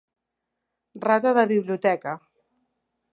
Rata de biblioteca.